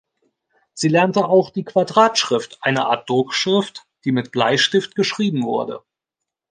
Sie lernte auch die Quadratschrift, eine Art Druckschrift, die mit Bleistift geschrieben wurde.